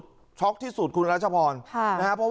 มาไว้อะไล่ให้ไอ้หนุ่มแขนซ้ายลายมังกรพรศักดิ์สังแสงครับ